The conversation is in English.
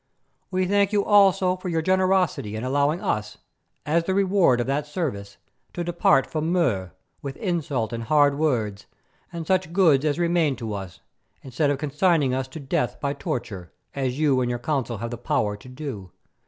We thank you also for your generosity in allowing us, as the reward of that service, to depart from Mur, with insult and hard words, and such goods as remain to us, instead of consigning us to death by torture, as you and your Council have the power to do.